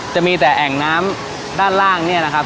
จะมีแต่แอ่งน้ำด้านล่างเนี่ยนะครับ